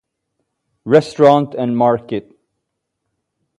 Restaurant and Market.